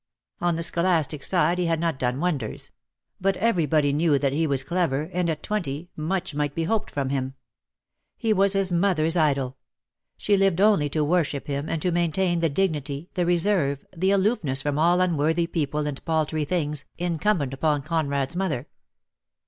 On the scholastic side he had not done wonders; but everybody knew that he was clever, and at twenty much might be hoped from him. He was his mother's idol. She lived only to worship him, and to maintain the dignity, the reserve, the aloofness from all unworthy people and paltry things, incumbent upon Conrad's mother.